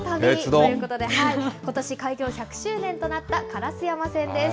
ということで、ことし開業１００周年となった烏山線です。